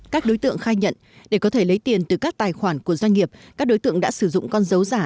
các đối tượng khai nhận để có thể lấy tiền từ các tài khoản của doanh nghiệp các đối tượng đã sử dụng con dấu giả